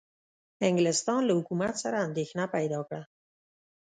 انګلستان له حکومت سره اندېښنه پیدا کړه.